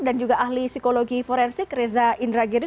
dan juga ahli psikologi forensik reza indragiri